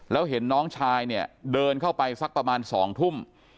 แล้วเห็นน้องชายเนี่ยเดินเข้าไปสักประมาณ๒ทุ่ม